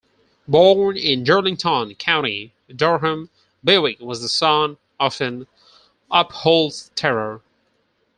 Born in Darlington, County Durham, Bewick was the son of an upholsterer.